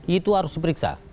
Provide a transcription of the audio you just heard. itu harus diperiksa